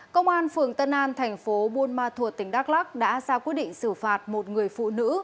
công an phường tân an thành phố buôn ma thuột tỉnh đắk lắc đã ra quyết định xử phạt một người phụ nữ